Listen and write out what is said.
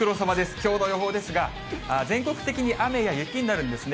きょうの予報ですが、全国的に雨や雪になるんですね。